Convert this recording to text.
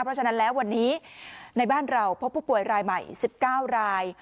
เพราะฉะนั้นแล้ววันนี้ในบ้านเราพบผู้ป่วยรายใหม่๑๙ราย